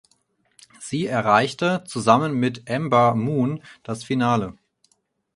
Sie erreichte zusammen mit Ember Moon das Finale.